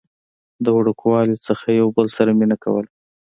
د وړوکوالي نه يو بل سره مينه کوله